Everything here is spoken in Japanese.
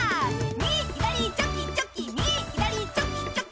右左チョキチョキ右左チョキチョキ。